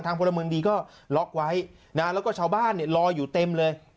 ทางพลเมืองดีก็ล็อกไว้แล้วก็ชาวบ้านรออยู่เต็มเลย